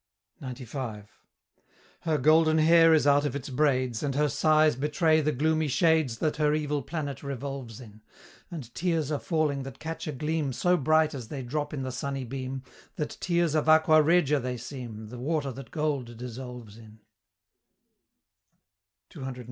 CCXCV. Her golden hair is out of its braids, And her sighs betray the gloomy shades That her evil planet revolves in And tears are falling that catch a gleam So bright as they drop in the sunny beam, That tears of aqua regia they seem, The water that gold dissolves in; CCXCVI.